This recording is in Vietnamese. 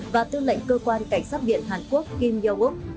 và tư lệnh cơ quan cảnh sát viện hàn quốc kim yeo wook